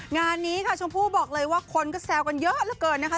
งานนี้ค่ะชมพู่บอกเลยว่าคนก็แซวกันเยอะเหลือเกินนะคะ